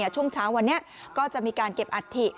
ช่วงเช้าวันนี้ก็จะมีการเก็บอัฐิ